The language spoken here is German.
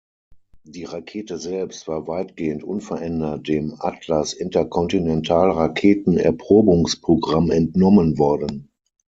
Die Rakete selbst war weitgehend unverändert dem Atlas-Interkontinentalraketen-Erprobungsprogramm entnommen worden.